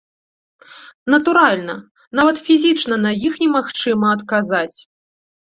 Натуральна, нават фізічна на іх немагчыма адказаць.